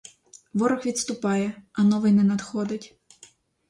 Ворог відступає, а новий не надходить.